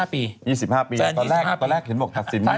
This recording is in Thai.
๒๕ปีตอนแรกเห็นบอกตัดสิน